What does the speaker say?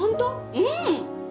うん！